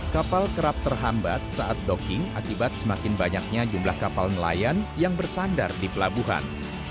kapal kerap terhambat saat docking akibat semakin banyaknya jumlah kapal nelayan yang bersandar di pelabuhan